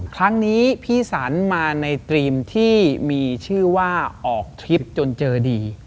ครั้งนี้พี่สันมาในตรีมที่มีชื่อว่าออกทริปจนเจอดี